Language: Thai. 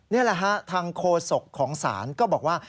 นี่แหละฮะทางโคศกของศาลก็บอกว่า